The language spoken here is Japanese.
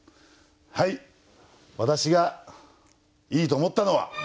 はい私がいいと思ったのは。